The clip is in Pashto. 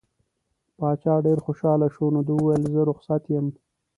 باچا ډېر خوشحاله شو نو ده وویل زه رخصت یم.